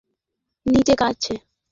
বোন নিচে কাঁদছে।